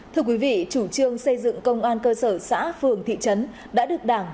thưa quý vị chủ trương xây dựng công an cơ sở xã phường thị trấn đã được đảng